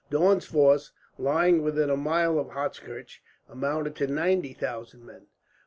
Daun's force, lying within a mile of Hochkirch, amounted to ninety thousand men.